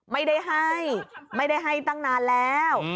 ไม่ได้ให้ไม่ได้ให้ตั้งนานแล้ว